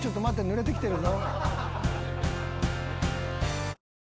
ぬれてきてるぞ。